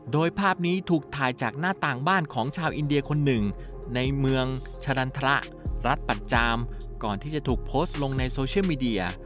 โดยภาพนี้ถูกถ่ายจากหน้าต่างบ้านของชาวอินเดียคนหนึ่งในเมืองชนันทรรัฐปัจจามก่อนที่จะถูกโพสต์ลงในโซเชียลมีเดีย